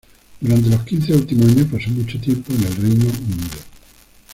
Durante los quince últimos años pasó mucho tiempo en el Reino Unido.